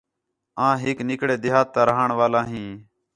آں ہک نِکڑے دیہات تا رہݨ والا ھیں